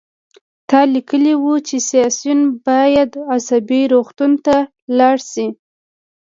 تا لیکلي وو چې سیاسیون باید عصبي روغتون ته لاړ شي